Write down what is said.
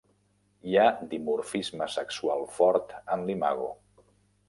Hi ha dimorfisme sexual fort en l'imago.